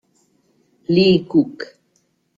Lee Cook